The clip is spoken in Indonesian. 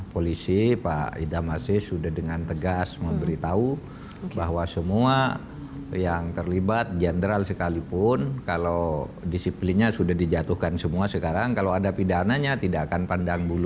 polisi pak idam aziz sudah dengan tegas memberitahu bahwa semua yang terlibat jenderal sekalipun kalau disiplinnya sudah dijatuhkan semua sekarang kalau ada pidananya tidak akan pandang bulu